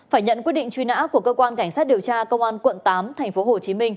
phải nhận quyết định truy nã của cơ quan cảnh sát điều tra công an tp hcm